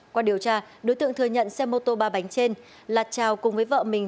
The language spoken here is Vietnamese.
qua điều tra đối tượng thừa nhận xe mô tô ba bánh trên là trào cùng với vợ mình